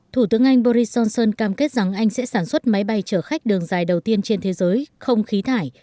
thủ tướng anh boris johnson cam kết rằng anh sẽ sản xuất máy bay chở khách đường dài đầu tiên trên thế giới không khí thải